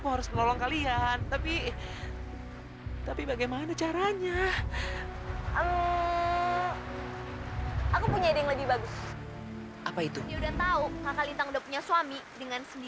karena aku begitu mencintaimu